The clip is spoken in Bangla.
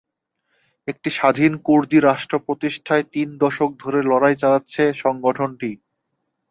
একটি স্বাধীন কুর্দি রাষ্ট্র প্রতিষ্ঠায় তিন দশক ধরে লড়াই চালাচ্ছে সংগঠনটি।